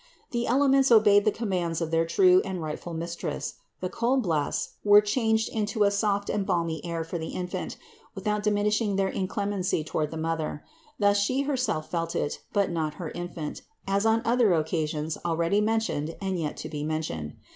The elements obeyed the commands of their true and rightful Mistress: the cold blasts were changed into a soft and balmy air for the Infant, without diminishing their inclemency toward the Mother; thus She herself felt it, but not her Infant, as on other occa sions already mentioned and yet to be mentioned.